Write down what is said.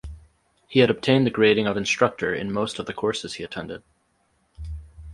He had obtained the grading of instructor in most of the courses he attended.